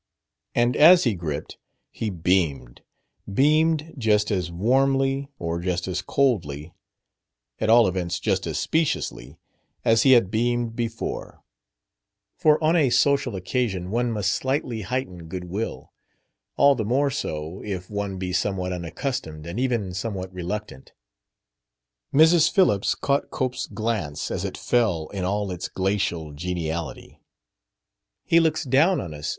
And as he gripped, he beamed; beamed just as warmly, or just as coldly at all events, just as speciously as he had beamed before: for on a social occasion one must slightly heighten good will, all the more so if one be somewhat unaccustomed and even somewhat reluctant. Mrs. Phillips caught Cope's glance as it fell in all its glacial geniality. "He looks down on us!"